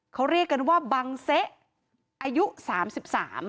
เขาเรียกกันว่าบังเซะอายุสามสิบสาม